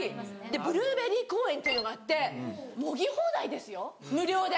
ブルーベリー公園っていうのがあってもぎ放題ですよ無料で。